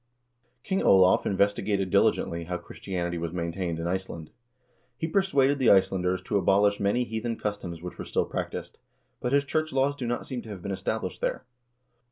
King Olav investigated diligently how Chris tianity was maintained in Iceland. He persuaded the Icelanders to abolish many heathen customs which were still practiced, but his church laws do not seem to have been established there.